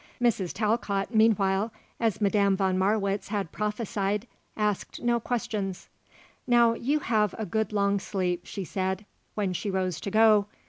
Mrs. Talcott, meanwhile, as Madame von Marwitz had prophesied, asked no questions. "Now you have a good long sleep," she said, when she rose to go.